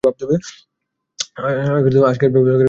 আজকের কর্মব্যস্ত মানুষ বিজ্ঞান ছাড়া একপাও এগোতে পারে না।